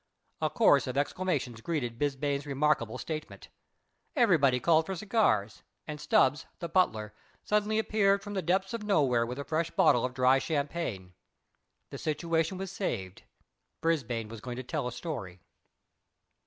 A chorus of exclamations greeted Brisbane's remarkable statement. Everybody called for cigars, and Stubbs, the butler, suddenly appeared from the depths of nowhere with a fresh bottle of dry champagne. The situation was saved; Brisbane was going to tell a story.